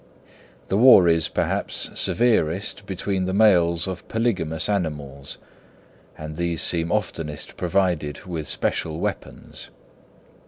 The war is, perhaps, severest between the males of polygamous animals, and these seem oftenest provided with special weapons.